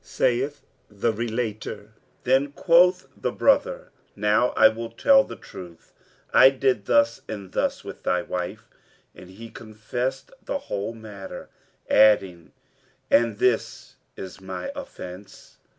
(Saith the relator), Then quoth the brother, "Now I will tell the truth: I did thus and thus with thy wife;" and he confessed the whole matter, adding, "And this is my offence."